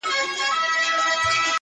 د دغو سیالیو د ترسره کېدو مبارکي وایم